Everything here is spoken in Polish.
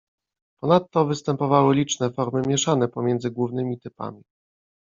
Ponadto występowały liczne formy mieszane pomiędzy głównymi typami.